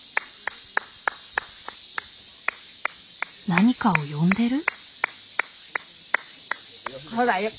何かを呼んでる？